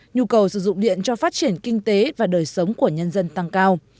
nhu cầu sử dụng điện cho phát triển kinh tế và đời sống của nhân dân tăng cao